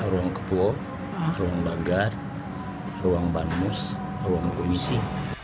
ruang ketua ruang lagar ruang banmus ruang komisi